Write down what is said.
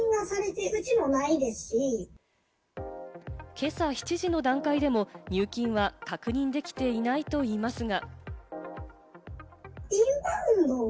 今朝７時の段階でも入金は確認できていないといいますが。